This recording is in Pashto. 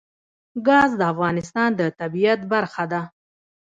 ګاز د افغانستان د طبیعت برخه ده.